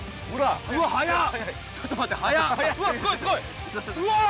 ちょっと待って速っ！